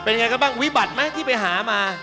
เป็นยังไงกันบ้างวิบัติไหมที่ไปหามา